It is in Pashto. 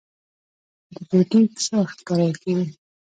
انټي بیوټیک څه وخت کارول کیږي؟